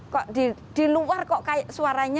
kok di luar kok kayak suaranya